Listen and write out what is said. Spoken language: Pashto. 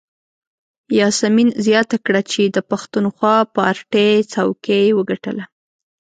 یاسمین زیاته کړه چې د پښتونخوا پارټۍ څوکۍ یې وګټله.